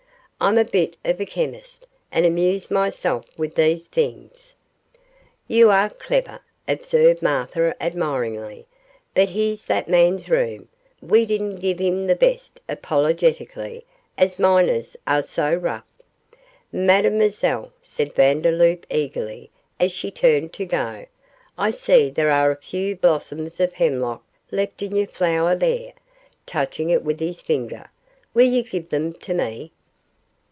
'I'm a bit of a chemist, and amuse myself with these things.' 'You are clever,' observed Martha, admiringly; 'but here's that man's room we didn't give him the best' apologetically 'as miners are so rough.' 'Mademoiselle,' said Vandeloup, eagerly, as she turned to go, 'I see there are a few blossoms of hemlock left in your flower there,' touching it with his finger; 'will you give them to me?